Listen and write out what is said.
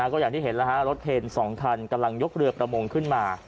ก็อย่างที่เห็นแล้วฮะรถเคน๒คันกำลังยกเรือประมงขึ้นมา